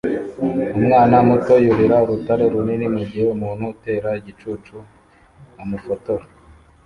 Umwana muto yurira urutare runini mugihe umuntu utera igicucu amufotora